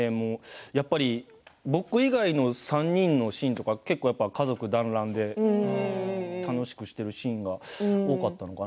やっぱり僕以外の３人のシーンとか結構、家族団らんで楽しくしているシーンが多かったのかな。